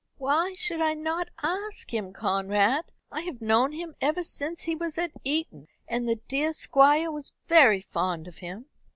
"Why should I not ask him, Conrad? I have known him ever since he was at Eton, and the dear Squire was very fond of him."